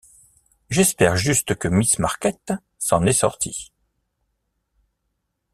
J’espère juste que Miss Marquet s’en est sortie.